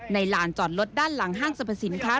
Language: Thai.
ลานจอดรถด้านหลังห้างสรรพสินค้า